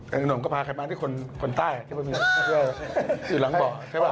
แล้วหนุ่มก็พาใครมาที่คนใต้อยู่หลังเบาะใช่ป่ะ